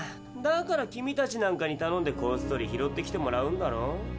だから君たちなんかにたのんでこっそり拾ってきてもらうんだろ。